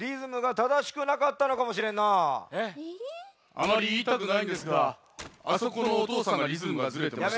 あまりいいたくないんですがあそこのおとうさんがリズムがずれてました。